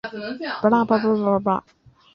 生意刚刚起步